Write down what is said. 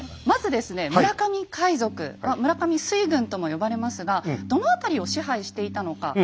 まずですね村上海賊「村上水軍」とも呼ばれますがどの辺りを支配していたのか。